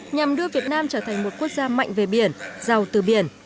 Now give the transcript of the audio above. nhằm đưa việt nam trở thành một quốc gia mạnh về biển giàu từ biển